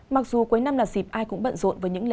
mặc dù cuối năm là dịp ai cũng bận rộn với những lời